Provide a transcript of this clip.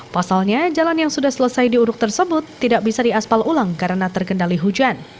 pasalnya jalan yang sudah selesai diuruk tersebut tidak bisa diaspal ulang karena terkendali hujan